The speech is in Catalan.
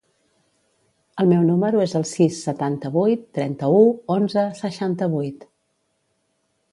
El meu número es el sis, setanta-vuit, trenta-u, onze, seixanta-vuit.